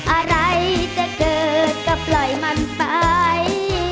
อะไรจะเกิดก็ปล่อยมันไป